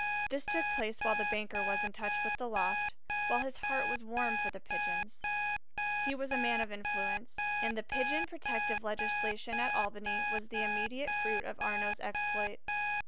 This took place while the banker was in touch with the loft, while his heart was warm for the Pigeons. He was a man of influence, and the Pigeon Protective legislation at Albany was the immediate fruit of Arnaux's exploit.